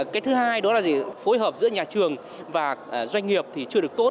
cái thứ hai đó là gì phối hợp giữa nhà trường và doanh nghiệp thì chưa được tốt